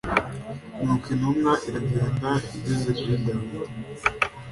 Nuko intumwa iragenda igeze kuri Dawidi